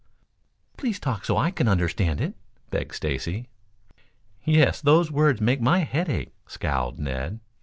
"Please talk so I can understand it," begged Stacy. "Yes; those words make my head ache," scowled Ned.